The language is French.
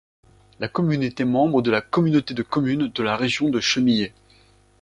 La commune était membre de la communauté de communes de la région de Chemillé.